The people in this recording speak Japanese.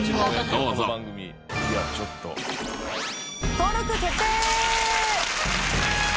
登録決定！